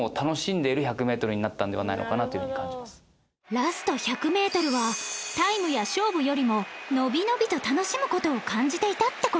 ラスト１００メートルはタイムや勝負よりも伸び伸びと楽しむ事を感じていたって事？